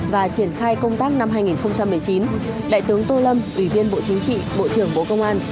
và triển khai công tác năm hai nghìn một mươi chín đại tướng tô lâm ủy viên bộ chính trị bộ trưởng bộ công an